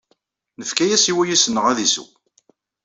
Nefka-as i wayis-nneɣ ad isew.